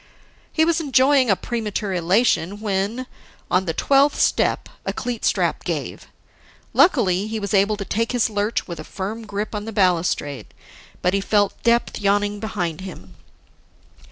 He was enjoying a premature elation when, on the twelfth step, a cleat strap gave. Luckily, he was able to take his lurch with a firm grip on the balustrade; but he felt depth yawning behind him.